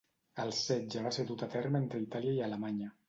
El setge va ser dut a terme entre Itàlia i Alemanya.